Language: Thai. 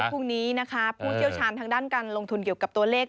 พรุ่งนี้นะคะผู้เชี่ยวชาญทางด้านการลงทุนเกี่ยวกับตัวเลข